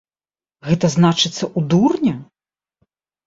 Гэта, значыцца, у дурня?